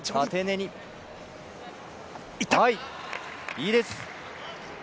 いいです！